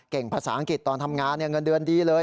เก่งภาษาอังกฤษตอนทำงานเนี่ยเงินเดือนดีเลย